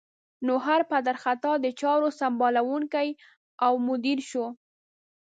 نو هر پدر خطا د چارو سمبالوونکی او مدیر شو.